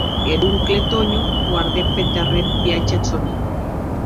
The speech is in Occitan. Er oncle Tònho guardèc per darrèr viatge ath sòn hilh.